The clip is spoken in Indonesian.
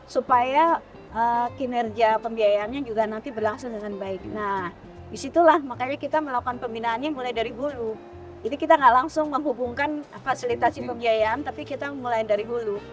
supaya kinerja pembiayaannya juga nanti berlangsung dengan baik nah disitulah makanya kita melakukan pembinaannya mulai dari hulu jadi kita nggak langsung menghubungkan fasilitasi pembiayaan tapi kita mulai dari hulu